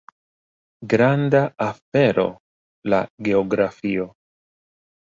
Granda afero la geografio!